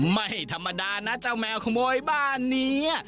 ไม่ธรรมดานะเจ้าแมวขโมยบ้านนี้